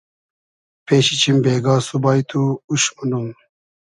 پېشی چیم بېگا سوبای تو اوش مونوم